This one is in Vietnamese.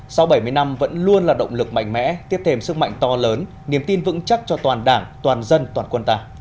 sau bảy mươi năm vẫn luôn là động lực mạnh mẽ tiếp thêm sức mạnh to lớn niềm tin vững chắc cho toàn đảng toàn dân toàn quân ta